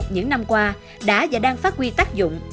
những năm qua đã và đang phát huy tác dụng